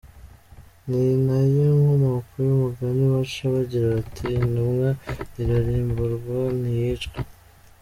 Ni na yo nkomoko y’umugani baca bagira bati “Intumwa irarabirwa ntiyicwa.